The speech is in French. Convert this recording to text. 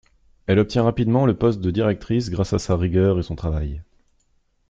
Elle obtient rapidement le poste de directrice grâce à sa rigueur et son travail.